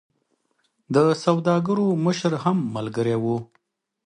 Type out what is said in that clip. د سوداګرو مشر هم ملګری وو.